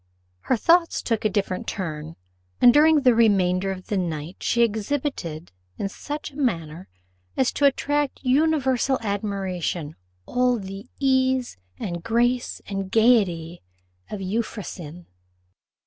Her thoughts took a different turn, and during the remainder of the night she exhibited, in such a manner as to attract universal admiration, all the ease, and grace, and gaiety, of Euphrosyne.